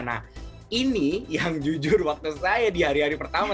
nah ini yang jujur waktu saya di hari hari pertama